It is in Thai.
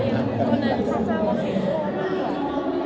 คุณจะต้องรักกี้ร่วมตัว